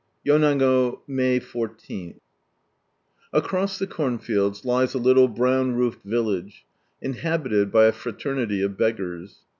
yonago. May 14. — Across the corn fields, lies a liLtle brown roofed village, in habited by a fralernity of Beggars.